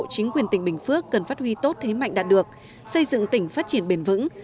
chính quyền tỉnh bình phước cần phát huy tốt thế mạnh đạt được xây dựng tỉnh phát triển bền vững